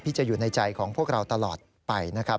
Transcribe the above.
ที่จะอยู่ในใจของพวกเราตลอดไปนะครับ